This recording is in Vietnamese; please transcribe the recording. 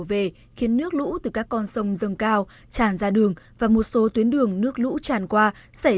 đổ về khiến nước lũ từ các con sông dâng cao tràn ra đường và một số tuyến đường nước lũ tràn qua xảy